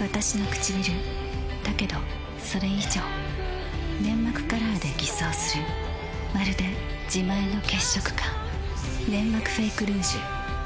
わたしのくちびるだけどそれ以上粘膜カラーで偽装するまるで自前の血色感「ネンマクフェイクルージュ」